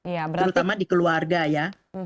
terutama di keluarga ya